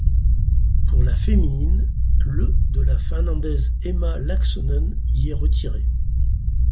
Pour la féminine, le de la finlandaise Emma Laaksonen y est retiré.